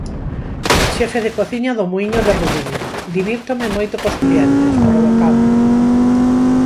Xefe de cociña do Muíño de Rudiño: Divírtome moito cos clientes, provocando.